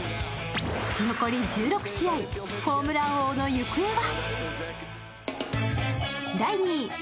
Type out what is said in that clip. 残り１６試合、ホームラン王の行方は？